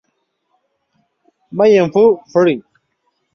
May-Jun, fr.